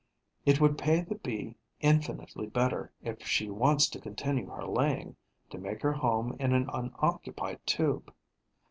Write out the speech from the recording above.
It would pay the Bee infinitely better, if she wants to continue her laying, to make her home in an unoccupied tube.